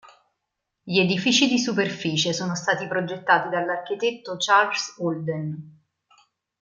Gli edifici di superficie sono stati progettati dall'architetto Charles Holden.